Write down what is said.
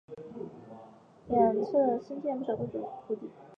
两侧兴建不少贵族豪宅府邸。